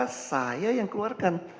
itu angka saya yang keluarkan